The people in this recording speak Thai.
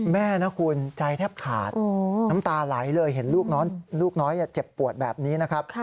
แม่นะคุณใจแทบขาดน้ำตาไหลเลยเห็นลูกน้อยเจ็บปวดแบบนี้นะครับ